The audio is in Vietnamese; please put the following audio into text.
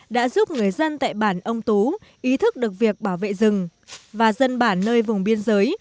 đã giúp người dân tại bản âm tú ý thức được việc bảo vệ rừng và dân bản nơi vùng biên giới